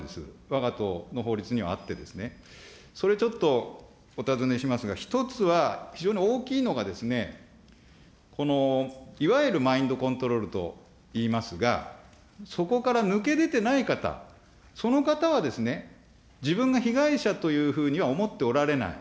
わが党の法律にはあって、それ、ちょっとお尋ねしますが、１つは非常に大きいのがこの、いわゆるマインドコントロールといいますが、そこから抜け出てない方、その方は自分が被害者というふうには思っておられない。